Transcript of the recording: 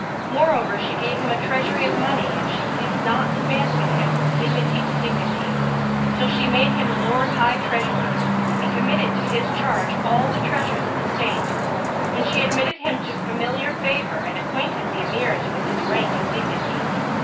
Moreover, she gave him a treasury of money and she ceased not advancing him from dignity to dignity, till she made him Lord High Treasurer and committed to his charge all the treasures of the state; and she admitted him to familiar favour and acquainted the Emirs with his rank and dignity.